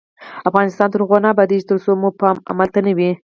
افغانستان تر هغو نه ابادیږي، ترڅو مو پام عمل ته نه وي.